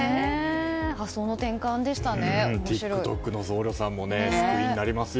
発想の転換でしたね。